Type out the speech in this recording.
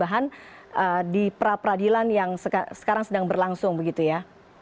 jadi bahan di pra peradilan yang sekarang sedang berlangsung begitu ya